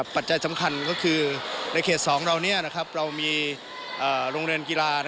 ปัจจัยสำคัญก็คือในเขต๒เรานี้เรามีโรงเรียนกีฬา